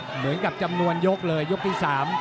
เหมือนกับจำนวนยกเลยยกที่๓